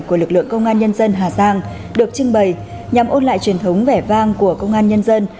của lực lượng công an nhân dân hà giang được trưng bày nhằm ôn lại truyền thống vẻ vang của công an nhân dân